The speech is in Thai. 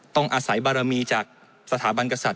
ต้องอาศัยบารมีจากสถาบันกษัตริย